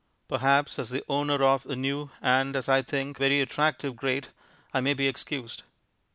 Perhaps as the owner of a new and (as I think) very attractive grate I may be excused.